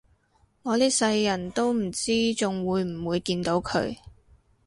我呢世人都唔知仲會唔會見到佢